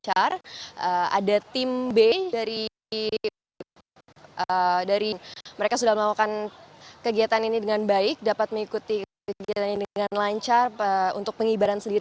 ada tim b dari mereka sudah melakukan kegiatan ini dengan baik dapat mengikuti kegiatan ini dengan lancar untuk pengibaran sendiri